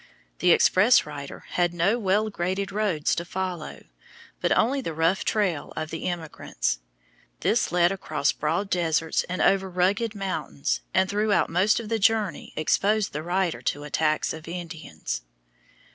The express rider had no well graded roads to follow, but only the rough trail of the emigrants. This led across broad deserts and over rugged mountains, and throughout most of the journey exposed the rider to the attacks of Indians.